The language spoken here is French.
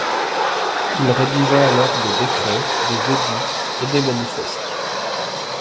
Il rédigea alors des décrets, des édits et des manifestes.